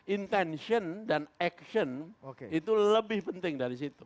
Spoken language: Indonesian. intention dan action itu lebih penting dari situ